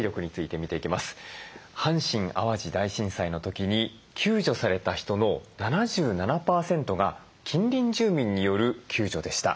阪神・淡路大震災の時に救助された人の７７％が近隣住民による救助でした。